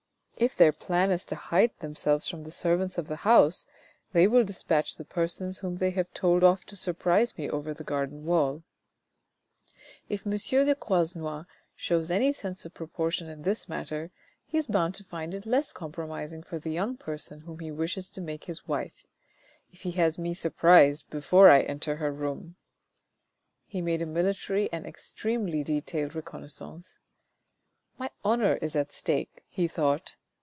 " If their plan is to hide themselves from the servants of the house, they will despatch the persons whom they have told off to surprise me over the garden wall. " If M. de Croisenois shows any sense of proportion in this matter, he is bound to find it less compromising for the young person, whom he wishes to make his wife if he has me surprised before I enter her room." He made a military and extremely detailed reconnaissance. " My honour is at stake," he thought.